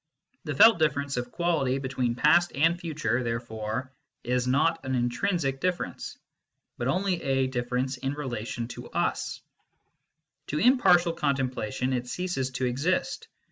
The felt difference of quality between past and future, therefore, is not an intrinsic difference, but only a difference in relation to us : to impartial contemplation, it ceases to exist.